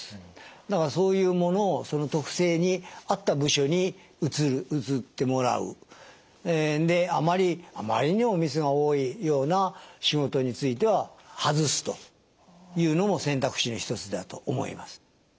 だからそういうものをその特性に合った部署に移ってもらうあまりにもミスが多いような仕事についてははずすというのも選択肢の一つだと思います。